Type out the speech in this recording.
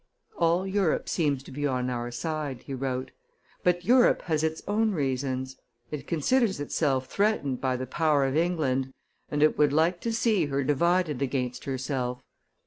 "All Europe seems to be on our side," he wrote; "but Europe has its own reasons: it considers itself threatened by the power of England, and it would like to see her divided against herself.